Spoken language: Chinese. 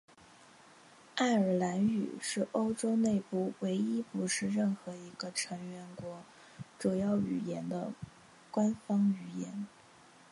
爱尔兰语是欧盟内部唯一不是任何一个成员国主要语言的官方语言。